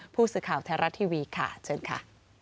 ผู้สื่อข่าวไทยรัฐทีวีค่ะเชิญค่ะ